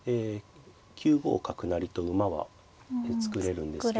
９五角成と馬は作れるんですけど。